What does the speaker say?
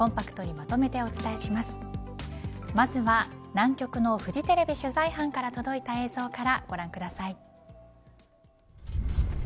まずは南極のフジテレビ取材班から届いた映像からご覧ください。